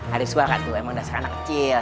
ada suara tuh emang dasar anak kecil